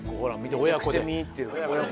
めちゃくちゃ見入ってる。